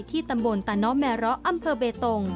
ตำบลตาน้อแมะอำเภอเบตง